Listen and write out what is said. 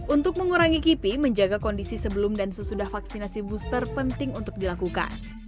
untuk mengurangi kipi menjaga kondisi sebelum dan sesudah vaksinasi booster penting untuk dilakukan